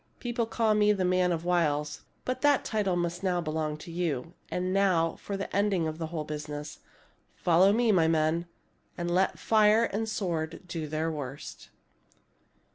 " People call me the man of wiles, but that title must now belong to you. And now, for the ending of the whole business ! Follow me, my men, and let fire and sword do their worst